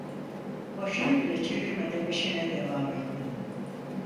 Başını bile çevirmeden işine devam etti.